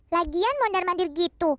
lagian mondar mandir gitu